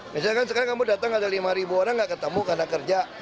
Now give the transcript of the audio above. misalnya kan sekarang kamu datang ada lima ribu orang gak ketemu karena kerja